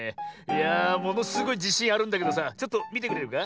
いやあものすごいじしんあるんだけどさちょっとみてくれるか？